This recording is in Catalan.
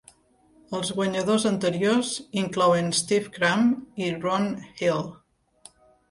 Els guanyadors anteriors inclouen Steve Cram i Ron Hill.